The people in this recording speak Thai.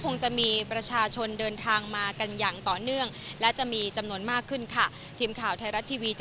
นี่เป็นเพียงอะไรครับ